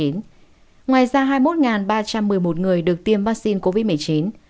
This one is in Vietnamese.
ngoài ra hai mươi một ba trăm một mươi một người được tiêm vaccine covid một mươi chín